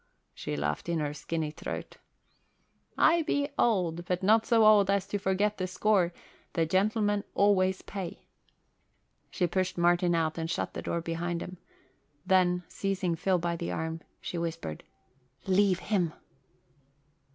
She laughed in her skinny throat. "I be old, but not so old as to forget the score. The gentlemen always pay." She pushed Martin out and shut the door behind him, then, seizing Phil by the arm, she whispered, "Leave him."